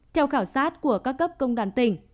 theo khảo sát của các cấp công đoàn tỉnh